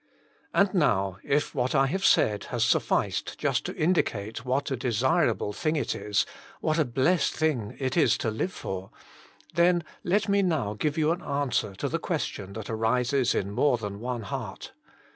And now, if what I have said has sufficed just to indicate what a desirable thing it is, what a blessed thing it is to live for, then let me now give you an an swer to the question that arises in more than one heart.